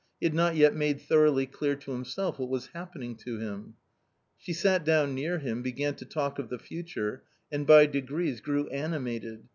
He had not yet made thoroughly clear to him self what was happening to him. *She sat down near him, began to talk of the future, and by degrees grew animated.